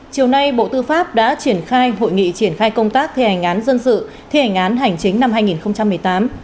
chiều nay bộ tư pháp đã triển khai hội nghị triển khai công tác thi hành án dân sự thi hành án hành chính năm hai nghìn một mươi tám